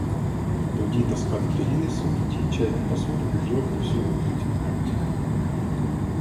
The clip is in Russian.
Другие таскали перины, сундуки, чайную посуду, белье и всю рухлядь.